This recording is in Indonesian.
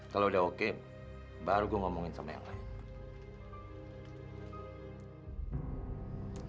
kalau udah oke baru gue ngomongin sama yang lain